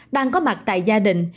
đang có mặt tại gia đình